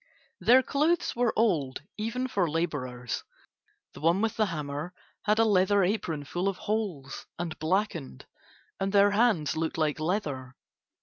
Their clothes were old even for laborers, the one with the hammer had a leather apron full of holes and blackened, and their hands looked like leather.